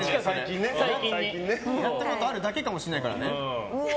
やったことあるだけかもしれないからね。